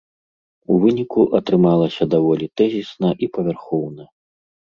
У выніку атрымалася даволі тэзісна і павярхоўна.